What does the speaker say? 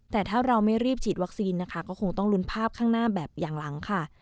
แต่ถ้าเราไม่รีบฉีดวัคซีนนะคะก็คงต้องลุ้นภาพข้างหน้าแบบอย่างหลังค่ะ